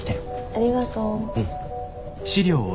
ありがとう。